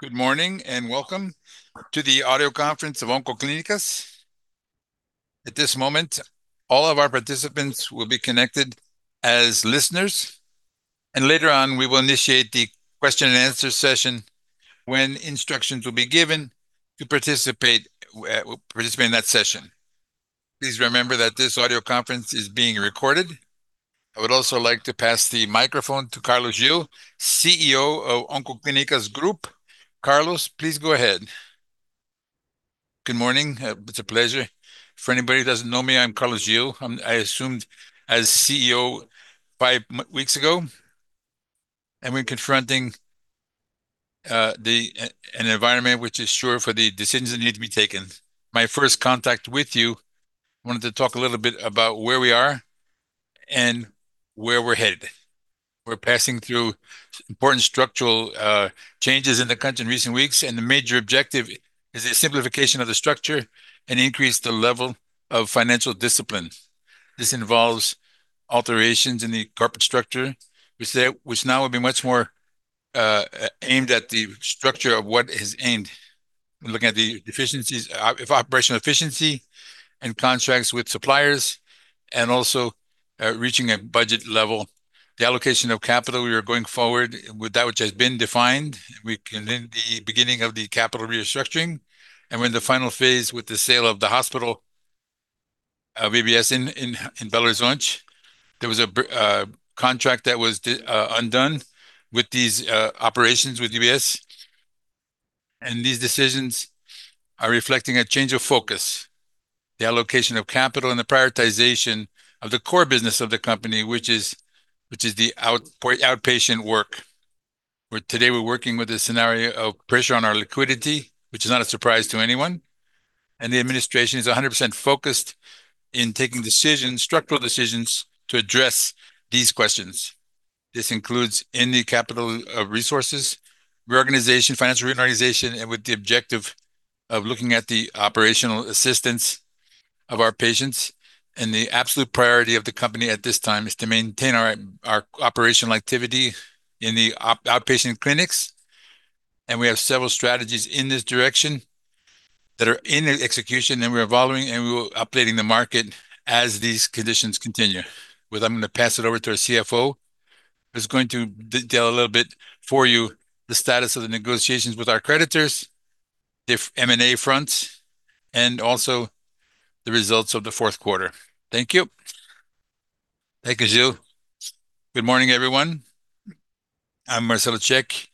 Good morning, welcome to the audio conference of Oncoclínicas. At this moment, all of our participants will be connected as listeners, and later on, we will initiate the question and answer session when instructions will be given to participate in that session. Please remember that this audio conference is being recorded. I would also like to pass the microphone to Carlos Gil, CEO of Oncoclínicas Group. Carlos, please go ahead. Good morning. It's a pleasure. For anybody who doesn't know me, I'm Carlos Gil. I assumed as CEO five weeks ago. We're confronting an environment which is sure for the decisions that need to be taken. My first contact with you, I wanted to talk a little bit about where we are and where we're headed. We're passing through important structural changes in the country in recent weeks, and the major objective is the simplification of the structure and increase the level of financial discipline. This involves alterations in the corporate structure, which now will be much more aimed at the structure of what is aimed, looking at the operational efficiency and contracts with suppliers and also reaching a budget level. The allocation of capital, we are going forward with that which has been defined within the beginning of the capital restructuring, and we're in the final phase with the sale of the hospital HVS in Belo Horizonte. There was a contract that was undone with these operations with HVS, and these decisions are reflecting a change of focus, the allocation of capital and the prioritization of the core business of the company, which is the outpatient work. Today we're working with a scenario of pressure on our liquidity, which is not a surprise to anyone, and the administration is 100% focused in taking structural decisions to address these questions. This includes in the capital resources reorganization, financial reorganization, and with the objective of looking at the operational assistance of our patients. The absolute priority of the company at this time is to maintain our operational activity in the outpatient clinics, and we have several strategies in this direction that are in execution, and we're evolving, and we're updating the market as these conditions continue. With that, I'm going to pass it over to our CFO, who's going to detail a little bit for you the status of the negotiations with our creditors, the M&A fronts, and also the results of the fourth quarter. Thank you. Thank you, Gil. Good morning, everyone. I'm Marcel Cecchi.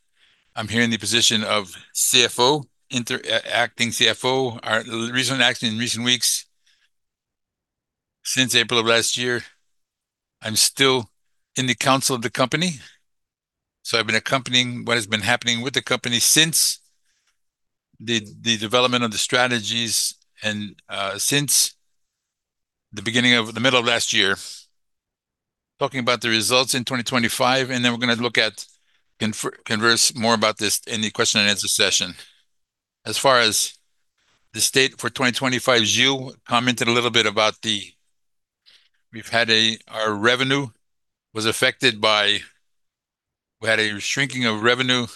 I'm here in the position of acting CFO. I recently acted in recent weeks since April of last year. I'm still in the council of the company, so I've been accompanying what has been happening with the company since the development of the strategies and since the beginning of the middle of last year. Talking about the results in 2025, and then we're going to converse more about this in the question and answer session. As far as the state for 2025, Gil commented a little bit about our revenue was affected. We had a shrinking of revenue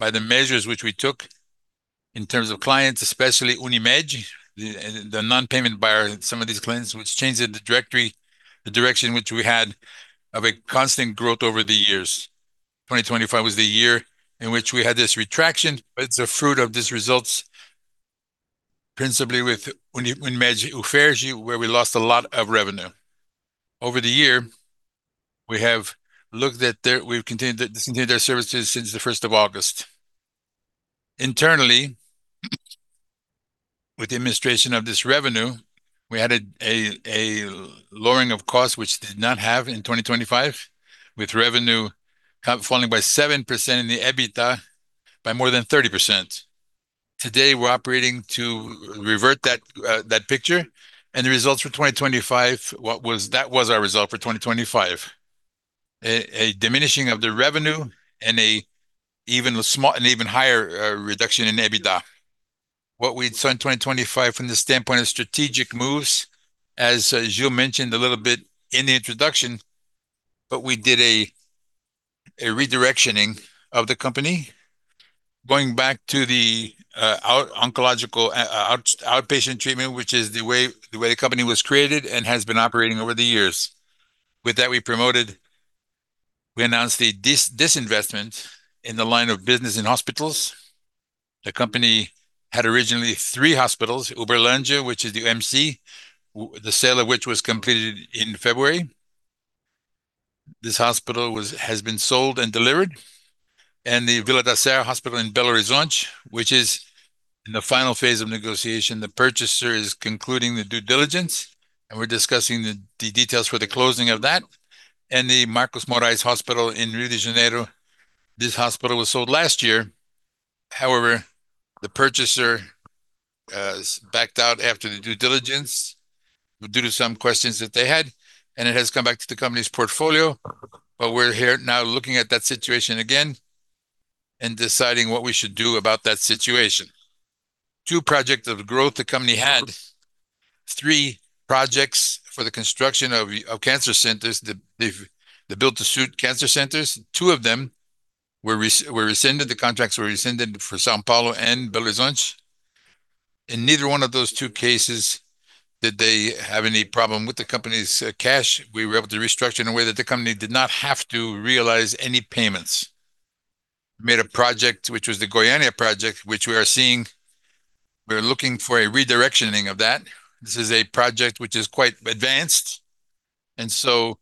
by the measures which we took in terms of clients, especially Unimed, the non-payment by some of these clients, which changed the direction which we had of a constant growth over the years. 2025 was the year in which we had this retraction. It's a fruit of these results, principally with Unimed Ferj, where we lost a lot of revenue. Over the year, we've continued our services since the 1st of August. Internally, with the administration of this revenue, we had a lowering of cost which did not have in 2025, with revenue falling by 7% and the EBITDA by more than 30%. Today, we're operating to revert that picture. The results for 2025, that was our result for 2025, a diminishing of the revenue and an even higher reduction in EBITDA. What we saw in 2025 from the standpoint of strategic moves, as Gil mentioned a little bit in the introduction, we did a redirectioning of the company, going back to the oncological outpatient treatment, which is the way the company was created and has been operating over the years. With that, we announced the disinvestment in the line of business in hospitals. The company had originally three hospitals, Uberlândia, which is the MC, the sale of which was completed in February. This hospital has been sold and delivered. The Vila da Serra Hospital in Belo Horizonte, which is in the final phase of negotiation, the purchaser is concluding the due diligence, and we're discussing the details for the closing of that. The Marcos Moraes Hospital in Rio de Janeiro, this hospital was sold last year. However, the purchaser has backed out after the due diligence due to some questions that they had, and it has come back to the company's portfolio. We're here now looking at that situation again and deciding what we should do about that situation. Two projects of growth the company had, three projects for the construction of cancer centers, the build-to-suit cancer centers, two of them were rescinded. The contracts were rescinded for São Paulo and Belo Horizonte. In neither one of those two cases did they have any problem with the company's cash. We were able to restructure in a way that the company did not have to realize any payments. We made a project, which was the Goiânia project, which we are looking for a redirectioning of that. This is a project which is quite advanced, and so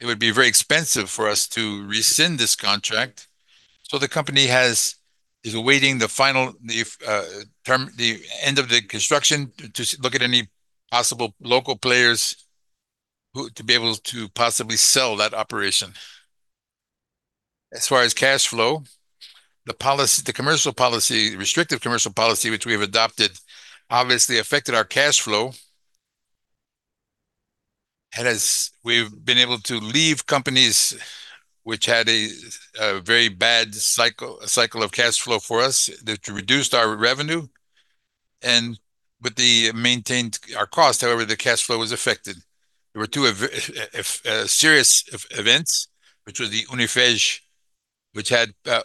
it would be very expensive for us to rescind this contract. The company is awaiting the end of the construction to look at any possible local players to be able to possibly sell that operation. As far as cash flow, the restrictive commercial policy which we have adopted obviously affected our cash flow. We've been able to leave companies which had a very bad cycle of cash flow for us that reduced our revenue. With the maintained our cost, however, the cash flow was affected. There were two serious events, which was the Unimed Ferj, which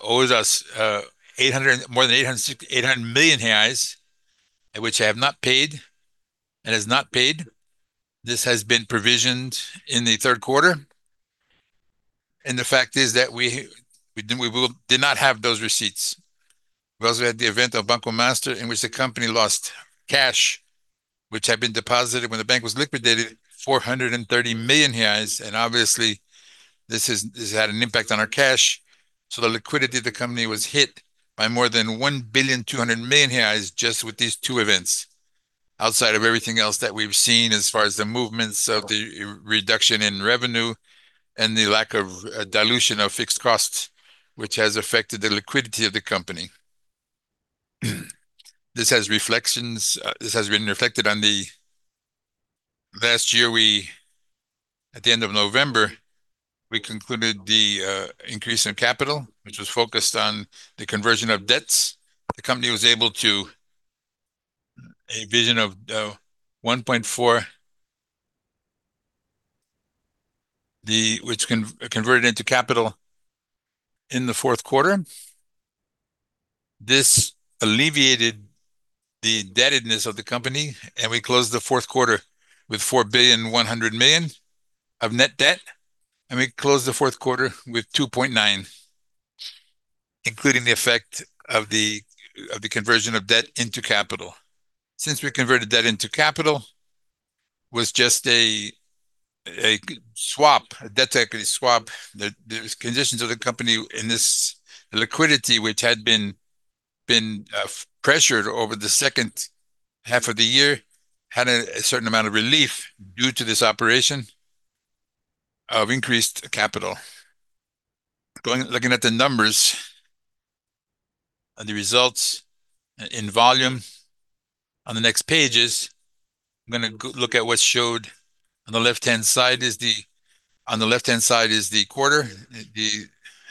owes us more than 800 million reais and which has not paid. This has been provisioned in the third quarter. The fact is that we did not have those receipts. We also had the event of Banco Master, in which the company lost cash which had been deposited when the bank was liquidated, 430 million reais. Obviously, this has had an impact on our cash. Liquidity of the company was hit by more than 1,200 million just with these two events, outside of everything else that we've seen as far as the movements of the reduction in revenue and the lack of dilution of fixed costs, which has affected the liquidity of the company. This has been reflected on the last year. At the end of November, we concluded the increase in capital, which was focused on the conversion of debts. The company was able to achieve an addition of BRL 1.4 billion, which converted into capital in the fourth quarter. This alleviated the indebtedness of the company, and we closed the fourth quarter with 4,100 million of net debt, and we closed the fourth quarter with 2.9 billion, including the effect of the conversion of debt into capital. Since we converted debt into capital, was just a swap, a debt equity swap. The conditions of the company in this liquidity, which had been pressured over the second half of the year, had a certain amount of relief due to this operation of increased capital. Looking at the numbers and the results in volume on the next pages, I'm going to look at what's showed. On the left-hand side is the quarterly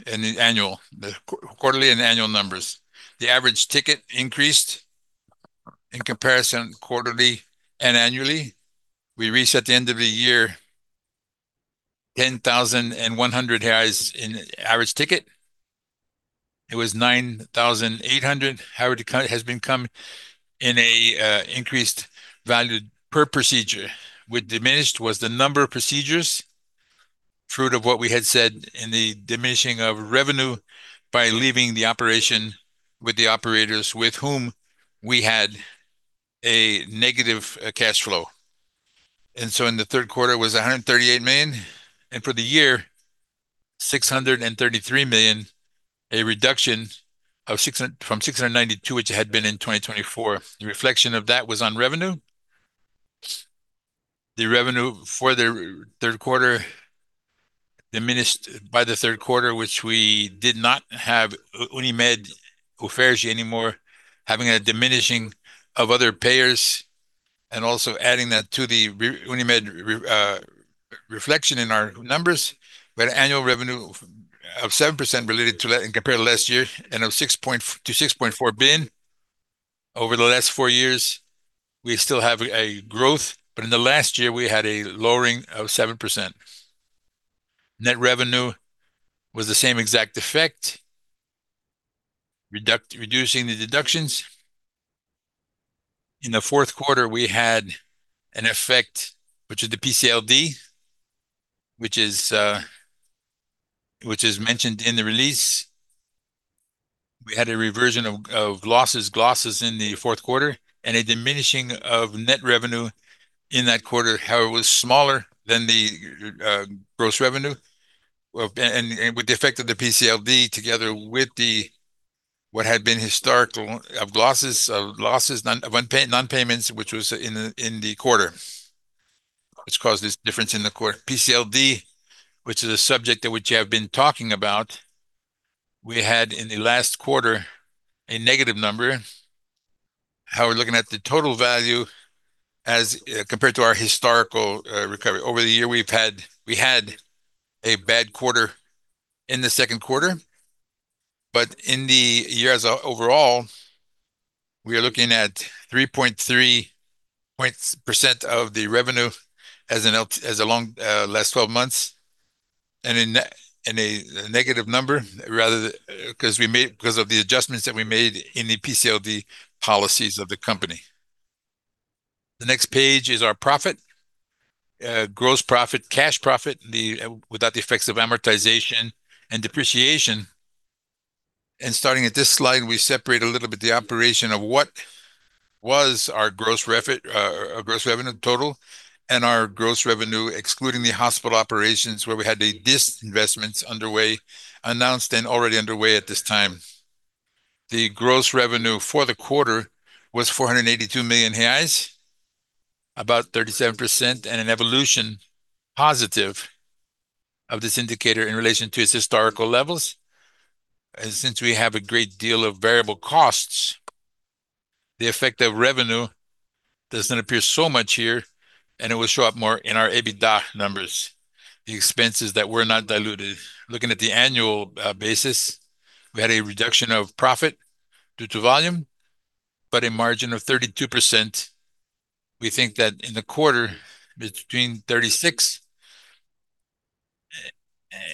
and annual numbers. The average ticket increased in comparison quarterly and annually. We reached at the end of the year 10,100 in average ticket. It was 9,800. However, the growth has been come in a increased value per procedure. What diminished was the number of procedures, fruit of what we had said in the diminishing of revenue by leaving the operation with the operators with whom we had a negative cash flow. In the third quarter, it was 138 million, and for the year, 633 million, a reduction from 692 million, which it had been in 2024. The reflection of that was on revenue. The revenue for the third quarter diminished by the third quarter, which we did not have Unimed or Ferj anymore, having a diminishing of other payers and also adding that to the Unimed reflection in our numbers. We had annual revenue of 7% related to that and compared to last year, and of 6.4 billion. Over the last four years, we still have a growth, but in the last year, we had a lowering of 7%. Net revenue was the same exact effect, reducing the deductions. In the fourth quarter, we had an effect, which is the PCLD, which is mentioned in the release. We had a reversion of losses in the fourth quarter and a diminishing of net revenue in that quarter. However, it was smaller than the gross revenue, and with the effect of the PCLD, together with what had been historical of losses, of non-payments, which was in the quarter, which caused this difference in the quarter. PCLD, which is a subject which I have been talking about, we had in the last quarter a negative number, however, looking at the total value as compared to our historical recovery. Over the year, we had a bad quarter in the second quarter, but in the year overall, we are looking at 3.3% of the revenue as a long last 12 months, and a negative number because of the adjustments that we made in the PCLD policies of the company. The next page is our profit, gross profit, cash profit, without the effects of amortization and depreciation. Starting at this slide, we separate a little bit the operation of what was our gross revenue total and our gross revenue excluding the hospital operations where we had a disinvestment underway, announced and already underway at this time. The gross revenue for the quarter was 482 million reais, about 37%, and an evolution positive of this indicator in relation to its historical levels. Since we have a great deal of variable costs, the effect of revenue doesn't appear so much here, and it will show up more in our EBITDA numbers, the expenses that were not diluted. Looking at the annual basis, we had a reduction of profit due to volume, but a margin of 32%. We think that in the quarter, between 36%,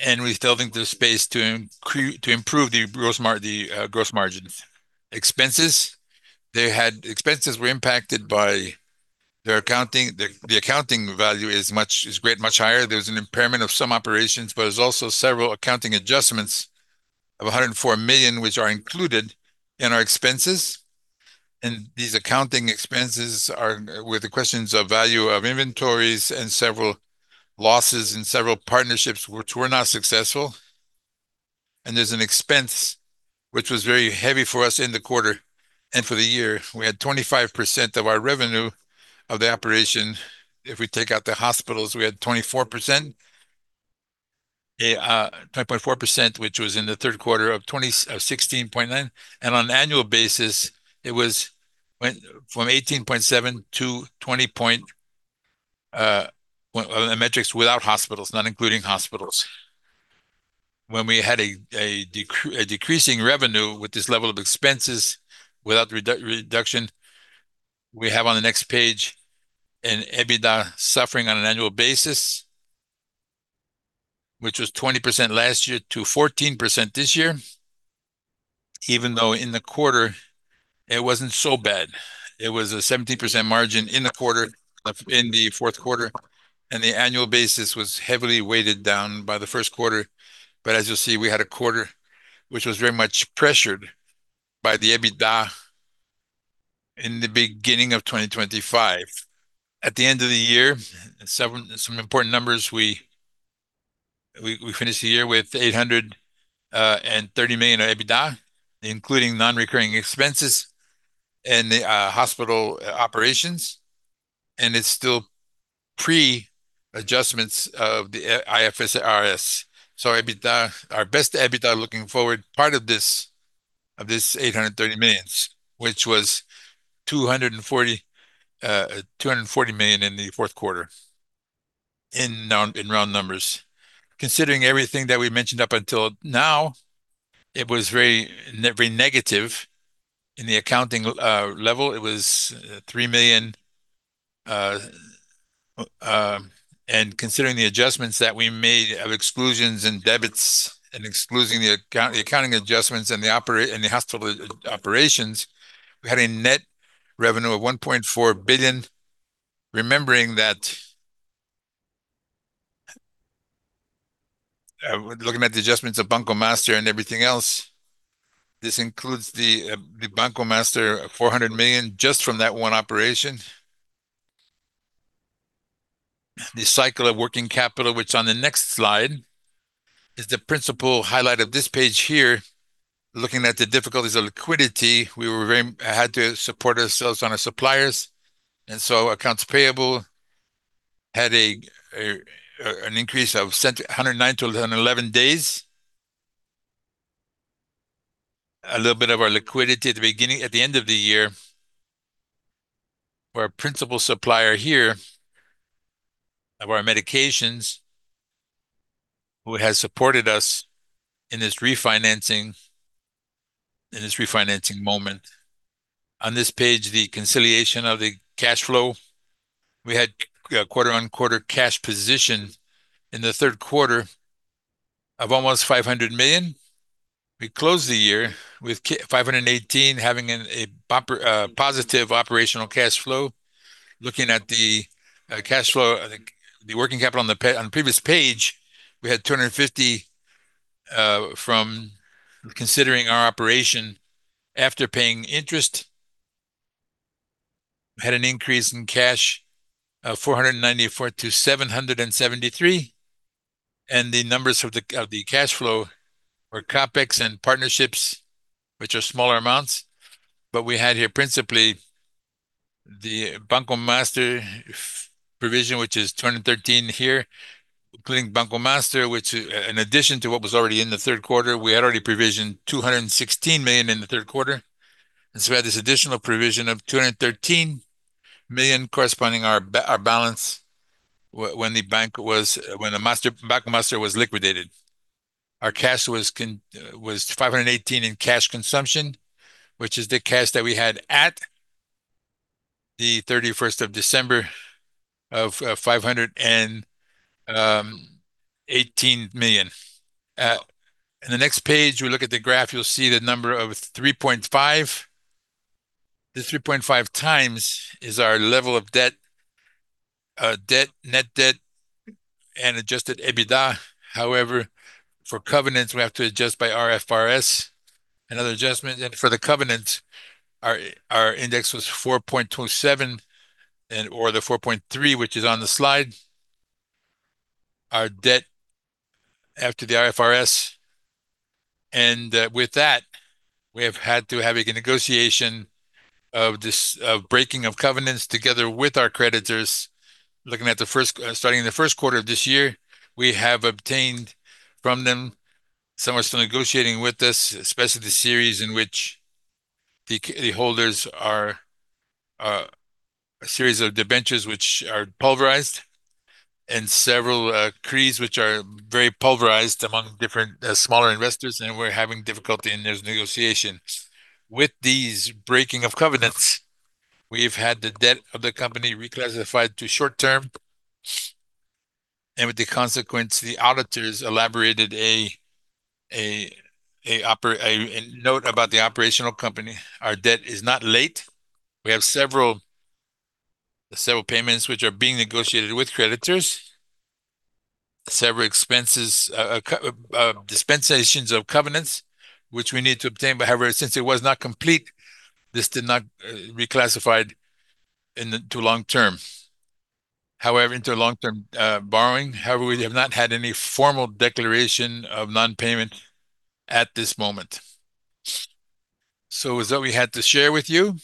and we still think there's space to improve the gross margin. Expenses were impacted by their accounting. The accounting value is much higher. There was an impairment of some operations, but there's also several accounting adjustments of 104 million, which are included in our expenses. These accounting expenses are with the questions of value of inventories and several losses in several partnerships which were not successful. There's an expense which was very heavy for us in the quarter and for the year. We had 25% of our revenue of the operation. If we take out the hospitals, we had 24%, which was in the third quarter of 16.9%. And on an annual basis, it went from 18.7% to 20%, on the metrics without hospitals, not including hospitals. When we had a decreasing revenue with this level of expenses without reduction, we have on the next page an EBITDA suffering on an annual basis, which was 20% last year to 14% this year, even though in the quarter it wasn't so bad. It was a 17% margin in the fourth quarter, and the annual basis was heavily weighted down by the first quarter. But as you'll see, we had a quarter which was very much pressured by the EBITDA in the beginning of 2025. At the end of the year, some important numbers, we finished the year with 830 million of EBITDA, including non-recurring expenses and the hospital operations, and it's still pre-adjustments of the IFRS. So our best EBITDA looking forward, part of this 830 millions, which was 240 million in the fourth quarter, in round numbers. Considering everything that we mentioned up until now, it was very negative in the accounting level. It was three million. And considering the adjustments that we made of exclusions and debits and excluding the accounting adjustments and the hospital operations, we had a net revenue of 1.4 billion. Remembering that, looking at the adjustments of Banco Master and everything else, this includes the Banco Master 400 million just from that one operation. The cycle of working capital, which on the next slide, is the principal highlight of this page here. Looking at the difficulties of liquidity, we had to support ourselves on our suppliers, and so accounts payable had an increase of 109 days-111 days, a little bit of our liquidity at the end of the year, our principal supplier here of our medications, who has supported us in this refinancing moment. On this page, the conciliation of the cash flow. We had quarter-over-quarter cash position in the third quarter of almost 500 million. We closed the year with 518 million, having a positive operational cash flow. Looking at the cash flow, the working capital on the previous page, we had 250 million from considering our operation after paying interest. We had an increase in cash of 494 million-773 million, and the numbers of the cash flow were CapEx and partnerships, which are smaller amounts. We had here principally the Banco Master provision, which is 213 million here. Including Banco Master, which in addition to what was already in the third quarter, we had already provisioned 216 million in the third quarter. We had this additional provision of 213 million corresponding our balance when the Banco Master was liquidated. Our cash was 518 million in cash consumption, which is the cash that we had at the 31st of December of 518 million. In the next page, we look at the graph, you'll see the number of 3.5. This 3.5x is our level of net debt and adjusted EBITDA. However, for covenants, we have to adjust by IFRS, another adjustment. For the covenant, our index was 4.27 and or the 4.3, which is on the slide, our debt after the IFRS. With that, we have had to have a negotiation of breaking of covenants together with our creditors, starting in the first quarter of this year. We have obtained from them. Some are still negotiating with us, especially the series in which the holders are a series of debentures, which are pulverized and several CRAs, which are very pulverized among different smaller investors. We're having difficulty in those negotiations. With these breaking of covenants, we've had the debt of the company reclassified to short-term. With the consequence, the auditors elaborated a note about the operational company. Our debt is not late. We have several payments which are being negotiated with creditors, several dispensations of covenants, which we need to obtain. However, since it was not complete, this did not reclassify into long-term borrowing. However, we have not had any formal declaration of non-payment at this moment. That's what we had to share with you.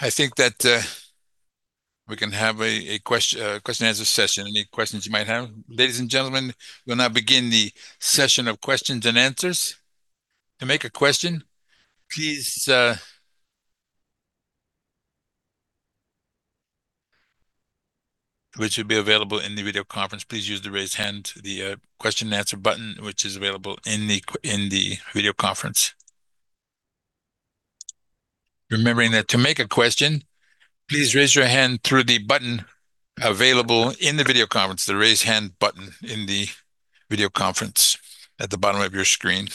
I think that we can have a question and answer session. Any questions you might have. Ladies and gentlemen, we'll now begin the session of questions and answers. To make a question, please use the raise hand, the question and answer button, which is available in the video conference. Remembering that to make a question, please raise your hand through the button available in the video conference, the raise hand button in the video conference at the bottom of your screen.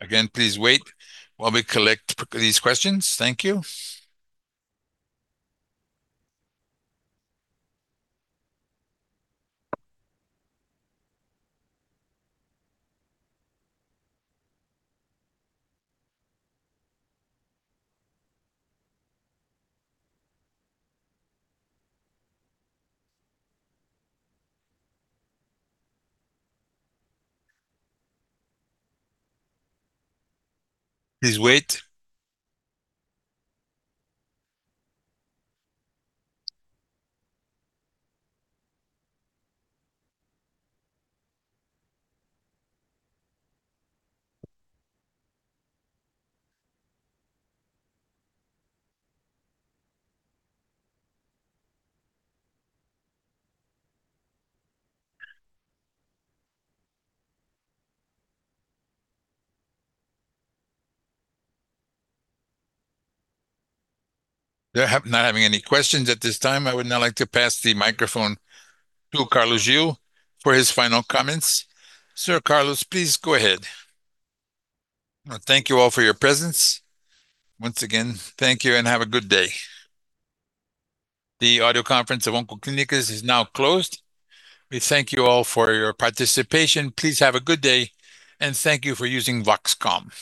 Again, please wait while we collect these questions. Thank you. Please wait. Not having any questions at this time, I would now like to pass the microphone to Carlos Gil for his final comments. Sir Carlos, please go ahead. I want to thank you all for your presence. Once again, thank you and have a good day. The audio conference of Oncoclínicas is now closed. We thank you all for your participation. Please have a good day, and thank you for using Voxcom.